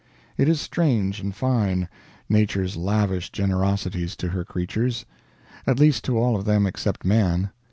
It is strange and fine Nature's lavish generosities to her creatures. At least to all of them except man.